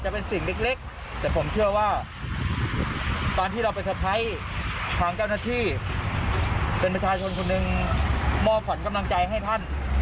เป็นประชาชนส่วนหนึ่งมอบขวัญกำลังใจให้ท่าน